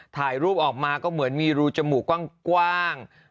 ถ่ายรูปออกมาก็เหมือนมีรูจมูกกว้าง